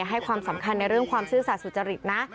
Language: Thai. ให้ความสำคัญในเรื่องความซื่อสัตว์สุจริตนะ